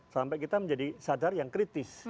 sampai kita menjadi sadar yang kritis